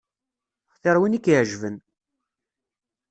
Xtir win i k-iɛeǧben.